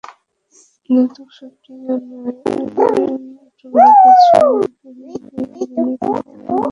দুদক সূত্র জানায়, এমারেল্ড গ্রুপের সৈয়দ হাসিবুল গণির বিরুদ্ধে মামলা রয়েছে পাঁচটি।